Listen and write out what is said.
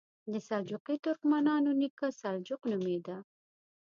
د سلجوقي ترکمنانو نیکه سلجوق نومېده.